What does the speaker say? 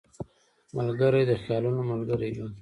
ملګری د خیالونو ملګری وي